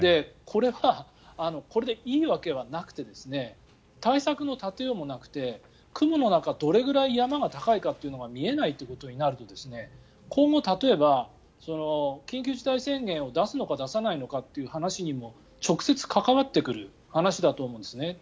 これは、これでいいわけはなくて対策の立てようもなくて雲の中、どれぐらい山が高いのかということが見えないということになると今後、例えば、緊急事態宣言を出すのか出さないのかという話にも直接関わってくる話だと思うんですね。